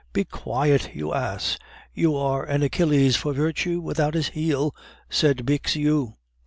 "Be quiet, you ass. You are an Achilles for virtue, without his heel," said Bixiou.